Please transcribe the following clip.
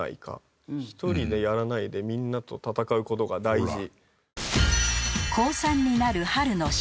「１人でやらないでみんなと戦うことが大事」